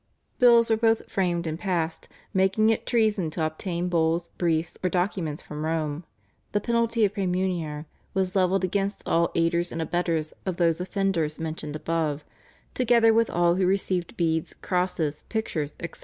Bills were both framed and passed making it treason to obtain Bulls, briefs, or documents from Rome. The penalty of Praemunire was levelled against all aiders and abettors of those offenders mentioned above, together with all who received beads, crosses, pictures, etc.